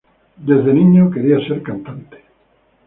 Desde niño quería ser cantante.